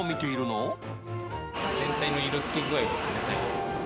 全体の色づき具合ですね。